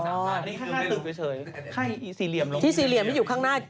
ค่าสี่เหลี่ยมลงที่อยู่ข้างหน้า